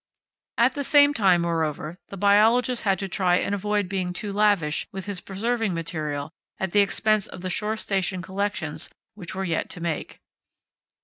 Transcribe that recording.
At the same time, moreover, the biologist had to try and avoid being too lavish with his preserving material at the expense of the shore station collections which were yet to make.